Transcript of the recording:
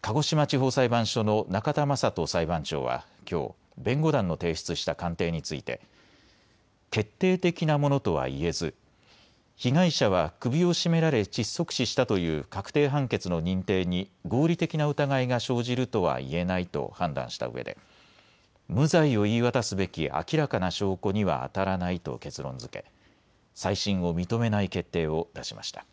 鹿児島地方裁判所の中田幹人裁判長はきょう弁護団の提出した鑑定について決定的なものとはいえず、被害者は首を絞められ窒息死したという確定判決の認定に合理的な疑いが生じるとはいえないと判断したうえで無罪を言い渡すべき明らかな証拠にはあたらないと結論づけ再審を認めない決定を出しました。